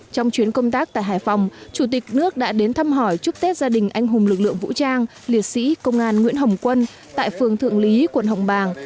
trong chuyến công tác tại hải phòng chủ tịch nước đã đến thăm hỏi chúc tết gia đình anh hùng lực lượng vũ trang liệt sĩ công an nguyễn hồng quân tại phường thượng lý quận hồng bàng